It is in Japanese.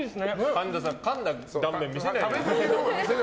神田さんかんだ断面見せないで。